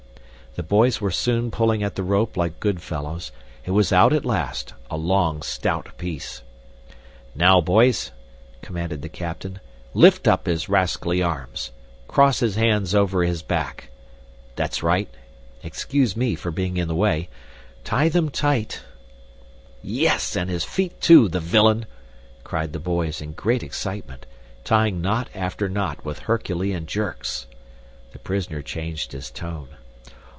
The boys were soon pulling at the rope like good fellows. It was out at last a long, stout piece. "Now, boys," commanded the captain, "lift up his rascally arms! Cross his hands over his back! That's right excuse me for being in the way tie them tight!" "Yes, and his feet too, the villain!" cried the boys in great excitement, tying knot after knot with Herculean jerks. The prisoner changed his tone.